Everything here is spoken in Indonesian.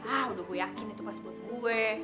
ah udah gue yakin itu pas buat gue